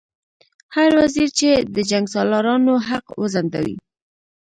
هر وزیر چې د جنګسالارانو حق وځنډوي.